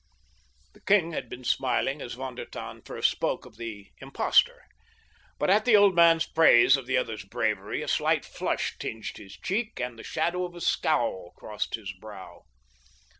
The king had been smiling as Von der Tann first spoke of the "impostor," but at the old man's praise of the other's bravery a slight flush tinged his cheek, and the shadow of a scowl crossed his brow.